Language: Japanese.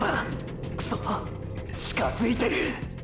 くそ近づいてる！！